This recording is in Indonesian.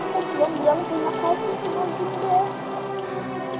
tapi aku bilang bilang terima kasih sama bunda